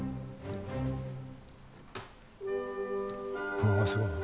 うわぁすごいね。